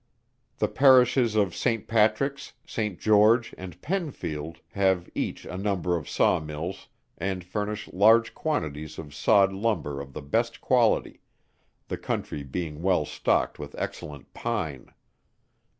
The Parishes of St. Patricks, St. George, and Pennfield, have each a number of saw mills, and furnish large quantities of sawed lumber of the best quality the country being well stocked with excellent pine.